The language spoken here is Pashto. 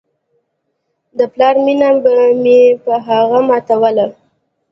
د پلار مينه به مې په هغه ماتوله.